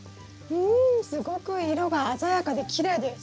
うんすごく色が鮮やかできれいです。